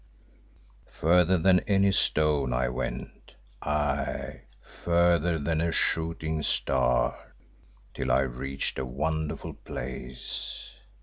Further than any stone I went, aye, further than a shooting star, till I reached a wonderful place.